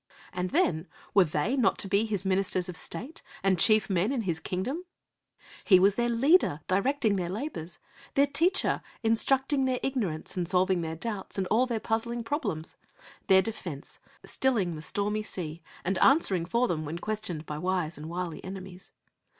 And then, were they not to be His Ministers of State and chief men in His Kingdom? He was their Leader, directing their labours; their Teacher, instructing their ignorance and solving their doubts and all their puzzling problems; their Defence, stilling the stormy sea and answering for them when questioned by wise and wily enemies.